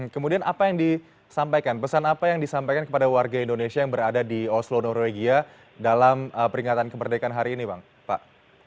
kemudian apa yang disampaikan pesan apa yang disampaikan kepada warga indonesia yang berada di oslo norwegia dalam peringatan kemerdekaan hari ini pak